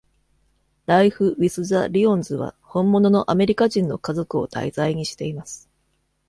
「ライフ・ウィス・ザ・リオンズ」は本物のアメリカ人の家族を題材にしています。